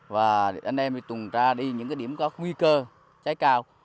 và anh em đi tuần tra đi những điểm có nguy cơ cháy cao